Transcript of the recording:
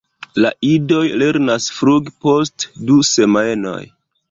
La idoj lernas flugi post du semajnoj.